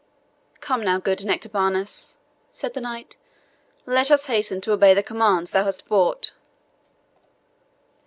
"Come now, good Nectabanus," said the knight, "let us hasten to obey the commands thou hast brought."